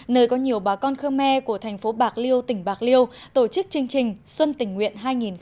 nơi có nhiều bà con khơ me của tp bạc liêu tỉnh bạc liêu tổ chức chương trình xuân tình nguyện hai nghìn một mươi bảy